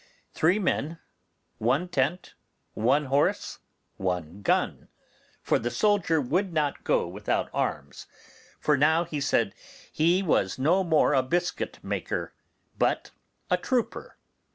three men, one tent, one horse, one gun—for the soldier would not go without arms, for now he said he was no more a biscuit baker, but a trooper.